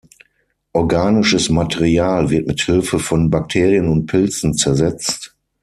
Organisches Material wird mit Hilfe von Bakterien und Pilzen zersetzt.